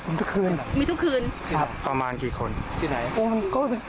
มีทุกคืนมีทุกคืนครับประมาณกี่คนที่ไหนอ๋อมันก็